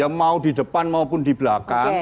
ya mau di depan maupun di belakang